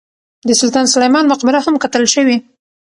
د سلطان سلیمان مقبره هم کتل شوې.